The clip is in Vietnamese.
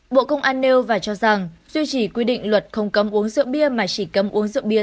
bộ công an nêu và cho rằng duy trì quy định luật không cấm uống rượu bia mà chỉ cấm uống rượu bia